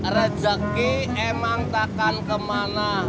rezeki emang takkan kemana